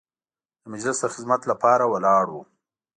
د مجلس د خدمت لپاره ولاړ وو.